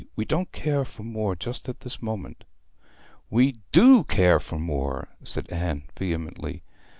'We don't care for more just at this moment.' 'We do care for more!' said Anne vehemently.